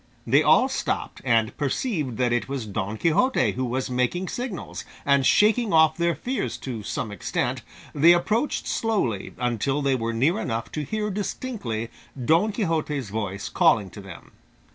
They all stopped, and perceived that it was Don Quixote who was making signals, and shaking off their fears to some extent, they approached slowly until they were near enough to hear distinctly Don Quixote's voice calling to them.